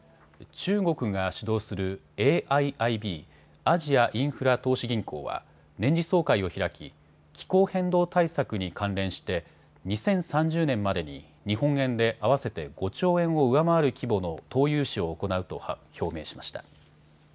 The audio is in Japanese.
中国が主導するＡＩＩＢ・アジアインフラ投資銀行は年次総会を開き気候変動対策に関連して２０３０年までに日本円で合わせて５兆円を上回る規模の投融資を行うと表明しました。